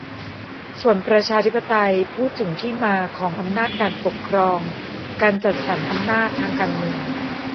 ส่วนประชาธิปไตยพูดถึงที่มาของอำนาจการปกครอง-การจัดสรรอำนาจทางการเมือง